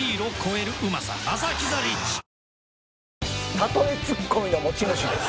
例えツッコミの持ち主です。